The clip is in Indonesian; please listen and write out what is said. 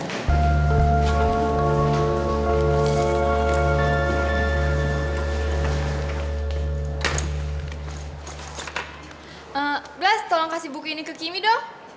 eh blas tolong kasih buku ini ke kimi dong